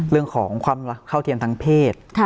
เรื่องของความเข้าเทียมทางเพศ